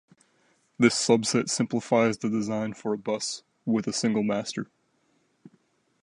This subset simplifies the design for a bus with a single master.